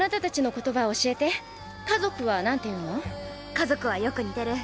家族はよく似てる。